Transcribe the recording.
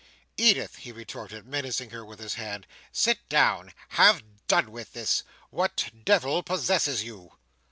"Edith!" he retorted, menacing her with his hand. "Sit down! Have done with this! What devil possesses you?"